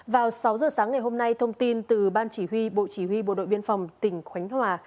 vào sáu giờ sáng ngày hôm nay thông tin từ ban chỉ huy bộ chỉ huy bộ đội biên phòng tỉnh khánh hòa